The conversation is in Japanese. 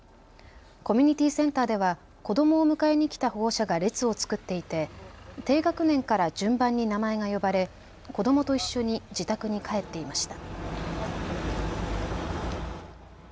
コミュニティーセンターでは子どもを迎えに来た保護者が列を作っていて低学年から順番に名前が呼ばれ子どもと一緒に自宅に帰っていました。